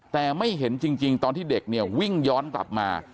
แต่ไม่เห็นจริงตอนที่เด็กเนี่ยวิ่งย้อนกลับมา